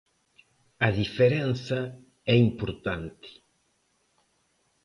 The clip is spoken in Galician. A diferenza é importante.